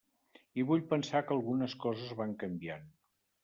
I vull pensar que algunes coses van canviant.